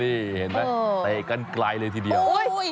นี่เห็นไหมเตะกันไกลเลยทีเดียว